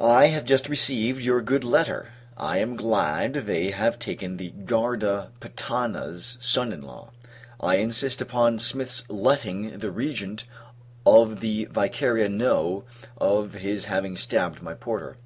I have just received your good letter. I am glad they have taken the Guarda patana's son in law. I insist upon Smith's letting the Regent of the Vicaria know of his having stabbed my porter.